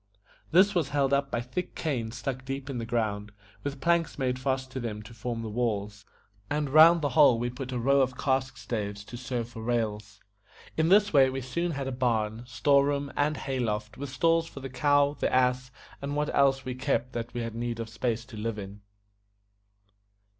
This was held up by thick canes stuck deep in the ground, with planks made fast to them to form the walls, and round the whole we put a row of cask staves to serve for rails. In this way we soon had a barn, store room, and hay loft, with stalls for the cow, the ass, and what else we kept that had need of a place to live in.